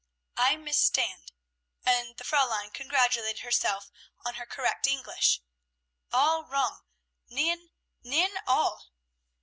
"I mistand," and the Fräulein congratulated herself on her correct English. "All wrong; nein! nein, all."